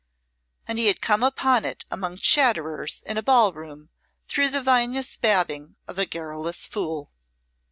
And he had come upon it among chatterers in a ball room through the vinous babbling of a garrulous fool.